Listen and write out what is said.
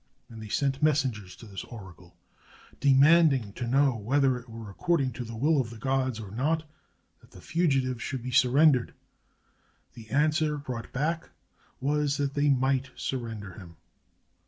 They sent messengers to this or acle, demanding to know whether it were according to the will of the gods or not that the fugitive should be surrendered. The answer brought back was, that they might surrender him.